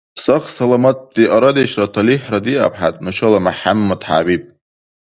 Сагъ-саламатти арадешра талихӀра диаб хӀед, нушала МяхӀяммадхӀябиб!